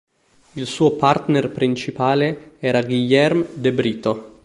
Il suo partner principale era Guilherme de Brito.